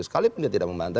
sekalipun dia tidak membantah